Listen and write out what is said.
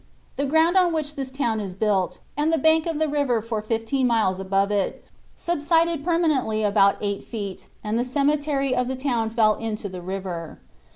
The ground on which this town is built, and the bank of the river for fifteen miles above it, subsided permanently about eight feet, and the cemetery of the town fell into the river.